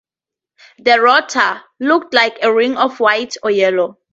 The "rota" looked like a ring of white or yellow.